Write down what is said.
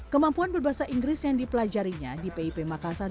kemampuan berbahasa inggris yang dipelajarinya di pip makassar